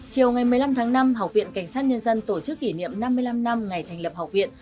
chiều ngày một mươi năm tháng năm học viện cảnh sát nhân dân tổ chức kỷ niệm năm mươi năm năm ngày thành lập học viện